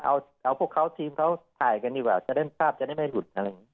เอาพวกเขาทีมเขาถ่ายกันดีกว่าจะได้ภาพจะได้ไม่หลุดอะไรอย่างนี้